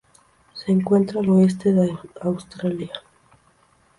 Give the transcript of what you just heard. Se encuentra al oeste de Australia.